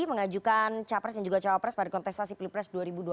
mengajukan capres dan juga cawapres pada kontestasi pilpres dua ribu dua puluh